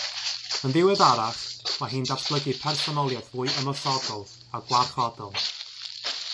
Yn ddiweddarach, mae hi'n datblygu personoliaeth fwy ymosodol a gwarchodol.